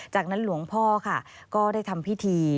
จากนั้นหลวงพ่อค่ะก็ได้ทำพิธี